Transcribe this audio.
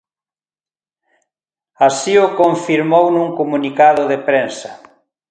Así o confirmou nun comunicado de prensa.